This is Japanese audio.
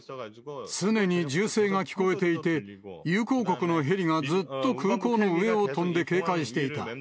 常に銃声が聞こえていて、友好国のヘリがずっと空港の上を飛んで警戒していた。